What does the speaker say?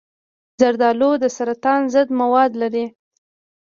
زردآلو د سرطان ضد مواد لري.